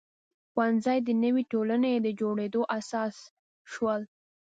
ښوونځي د نوې ټولنې د جوړېدو اساس شول.